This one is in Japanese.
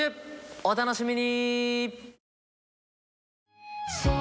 お楽しみに！